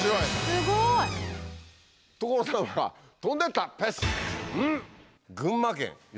すごい！所さんは飛んでったペシっ！